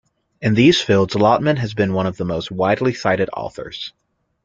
In these fields, Lotman has been one of the most widely cited authors.